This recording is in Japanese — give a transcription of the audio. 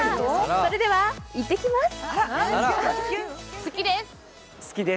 それでは、行ってきます！